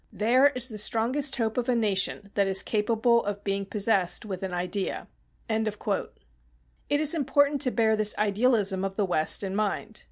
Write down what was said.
There is the strongest hope of a nation that is capable of being possessed with an idea." It is important to bear this idealism of the West in mind.